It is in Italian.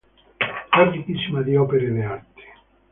È ricchissima di opere d'arte.